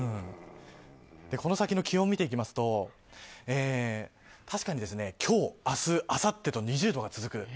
この先の気温を見ていきますと確かに今日、明日、あさってと２０度が続く。